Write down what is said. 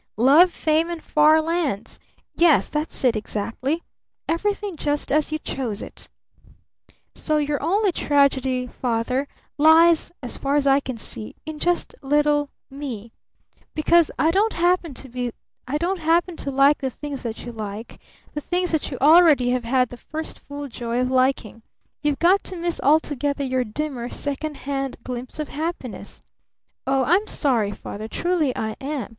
'Love, Fame, and Far Lands!' Yes, that's it exactly! Everything just as you chose it! So your only tragedy, Father, lies as far as I can see in just little me! Because I don't happen to like the things that you like, the things that you already have had the first full joy of liking, you've got to miss altogether your dimmer, second hand glimpse of happiness! Oh, I'm sorry, Father! Truly I am!